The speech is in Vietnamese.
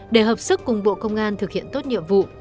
để hợp sức cùng bộ công an thực hiện tốt nhiệm vụ